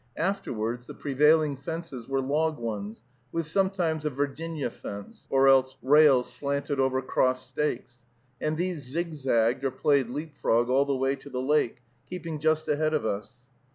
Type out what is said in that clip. Afterwards, the prevailing fences were log ones, with sometimes a Virginia fence, or else rails slanted over crossed stakes; and these zigzagged or played leap frog all the way to the lake, keeping just ahead of us.